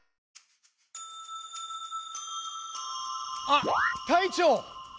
あっ隊長！